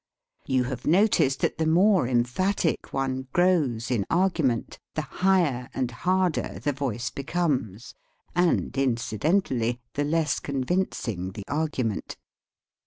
You have noticed that the more emphatic one grows in argu ment the higher and harder the voice be comes, and, incidentally, the less convincing the argument.